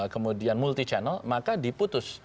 kemudian multi channel maka diputus